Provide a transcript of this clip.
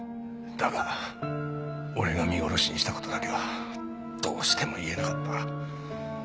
だが俺が見殺しにした事だけはどうしても言えなかった。